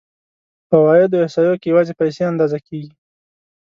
په عوایدو احصایو کې یوازې پیسې اندازه کېږي